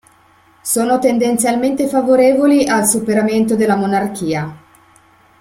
Sono tendenzialmente favorevoli al superamento della monarchia.